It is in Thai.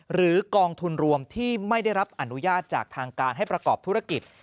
กองทุนรวมที่ไม่ได้รับอนุญาตจากทางการให้ประกอบธุรกิจ